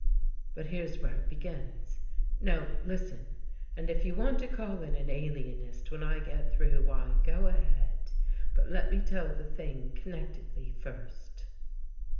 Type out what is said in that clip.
But here's where it begins. Now listen, and if you want to call in an alienist when I get through, why, go ahead. But let me tell the thing connectedly first.